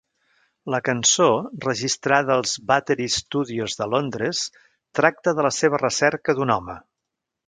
La cançó, registrada als Battery Studios de Londres, tracta de la seva recerca d'un home.